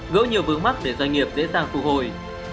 gỡ nhiều vướng mắt để doanh nghiệp dễ dàng phục hồi